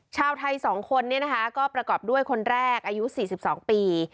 ชาวไทย๒คนก็ประกอบด้วยคนแรกอายุ๔๒ปี